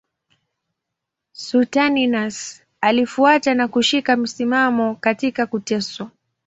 Saturninus alifuata na kushika msimamo katika kuteswa.